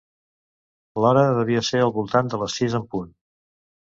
L'hora devia ser al voltant de les sis en punt.